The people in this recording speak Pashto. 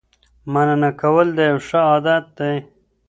مننه کول یو ښه عادت دی.